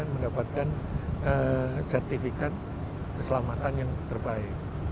mendapatkan sertifikat keselamatan yang terbaik